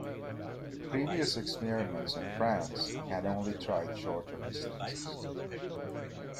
Previous experiments in France had only tried shorter distances.